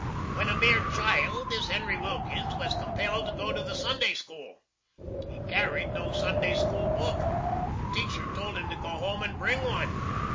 When a mere child this HENRY WILKINS was compelled to go to the Sunday school. He carried no Sunday school book. The teacher told him to go home and bring one.